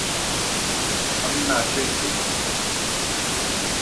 ہم ناچے گے